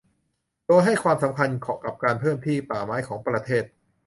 โดยให้ความสำคัญกับการเพิ่มพื้นที่ป่าไม้ของประเทศ